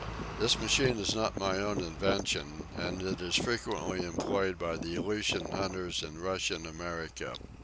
"This machine is not my own invention, and it is frequently employed by the Aleutian hunters in Russian America.